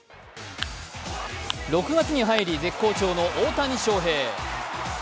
６月に入り絶好調の大谷翔平。